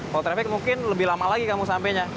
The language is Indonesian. kalo traffic mungkin lebih lama lagi kamu sampenya